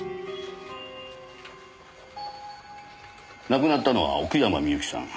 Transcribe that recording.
亡くなったのは奥山深雪さん。